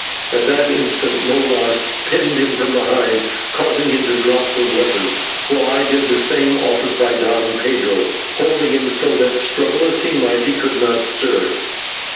At that instant Molas pinned him from behind, causing him to drop the weapon, while I did the same office by Don Pedro, holding him so that, struggle as he might, he could not stir.